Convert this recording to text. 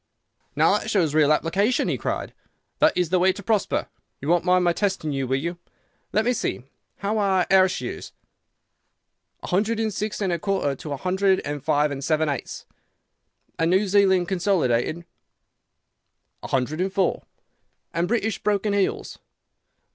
"'Now that shows real application!' he cried. 'That is the way to prosper! You won't mind my testing you, will you? Let me see. How are Ayrshires?' "'A hundred and six and a quarter to a hundred and five and seven eighths.' "'And New Zealand Consolidated?' "'A hundred and four. "'And British Broken Hills?